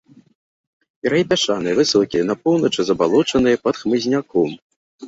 Берагі пясчаныя, высокія, на поўначы забалочаныя, пад хмызняком.